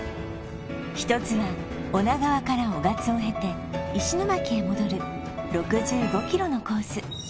１つは女川から雄勝をへて石巻へ戻る６５ｋｍのコース